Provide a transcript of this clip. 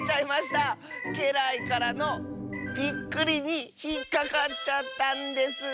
けらいからのびっくりにひっかかっちゃったんです。